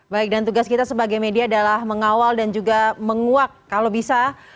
baik dan tugas kita sebagai media adalah mengawal dan juga menguak kalau bisa